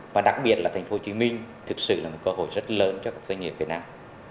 và đặc biệt là thành phố hồ chí minh thực sự là một cơ hội rất lớn cho các doanh nghiệp việt nam